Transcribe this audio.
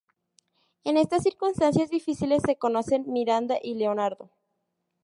En estas circunstancias difíciles se conocen Miranda y Leonardo.